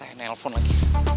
lainnya handphone lagi